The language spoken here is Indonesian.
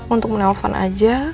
untuk menelpon aja